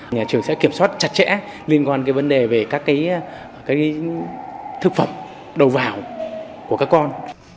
nhà trường sẽ kiểm soát chặt chẽ liên quan vấn đề về các thực phẩm đầu vào của các con